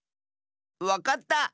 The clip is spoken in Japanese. わかった！